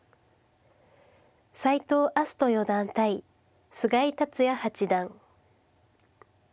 斎藤明日斗四段対菅井竜也八段。